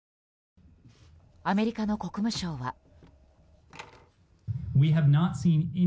アメリカの国務省は。